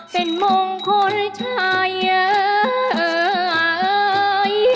เป็นมงค์คนชาย